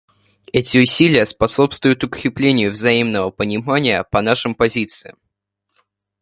Эти усилия способствуют укреплению взаимного понимания по нашим позициям.